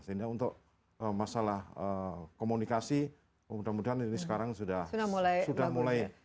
sehingga untuk masalah komunikasi mudah mudahan ini sekarang sudah mulai